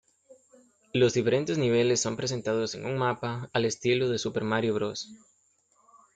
Los diferentes niveles son presentados en un mapa al estilo de Super Mario Bros.